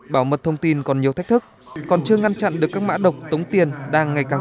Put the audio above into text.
bảo mật thông tin còn nhiều thách thức còn chưa ngăn chặn được các mã độc tống tiền đang ngày càng